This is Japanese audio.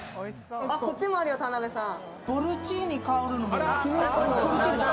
こっちもあるよ、田辺さん。